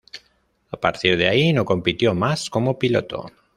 A partir de ahí no compitió más como piloto.